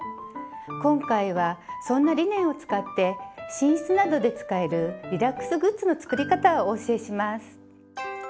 今回はそんなリネンを使って寝室などで使えるリラックスグッズの作り方をお教えします。